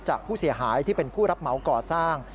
จากผู้เสียหายที่เป็นผู้รับเหมาก่อสร้าง